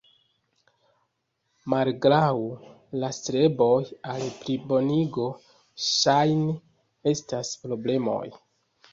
Malgraŭ la streboj al plibonigo, ŝajne restas problemoj.